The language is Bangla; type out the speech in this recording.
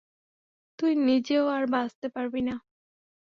তুই নিজেও আর বাচঁতে পারবি না।